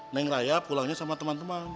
neng raya pulangnya sama teman teman